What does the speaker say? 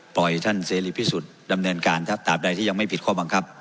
ท่านเสรีพิสุทธิ์ดำเนินการตามใดที่ยังไม่ผิดข้อบังคับ